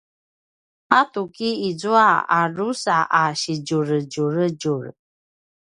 a tuki izua a drusa a sidjuredjuredjur